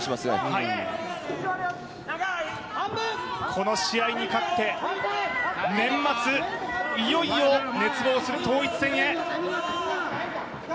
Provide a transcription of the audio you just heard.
この試合に勝って年末、いよいよ熱望する統一戦へ。